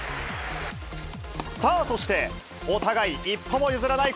さあ、そして、お互い一歩も譲らない